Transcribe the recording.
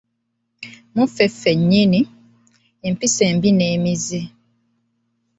Mu ffe ffennyini, empisa embi n'emize.